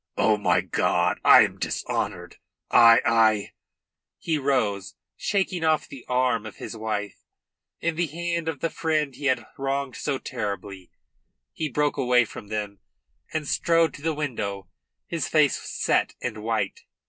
"Oh, my God! I am dishonoured. I I " He rose, shaking off the arm of his wife and the hand of the friend he had wronged so terribly. He broke away from them and strode to the window, his face set and white.